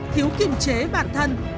thiếu kiểm chế bản thân